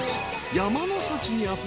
山の幸にあふれ］